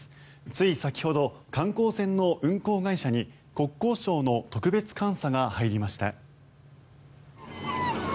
つい先ほど、観光船の運航会社に国交省の特別監査が入りました。